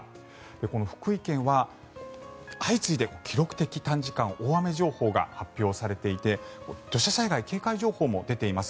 この福井県は相次いで記録的短時間大雨情報が発表されていて土砂災害警戒情報も出ています。